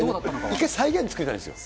一回再現作りたいんですよ。